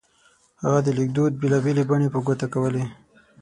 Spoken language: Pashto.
هغه د لیکدود بېلا بېلې بڼې په ګوته کولې.